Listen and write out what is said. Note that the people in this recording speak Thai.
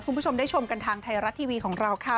คุณผู้ชมได้ชมกันทางไทยรัฐทีวีของเราค่ะ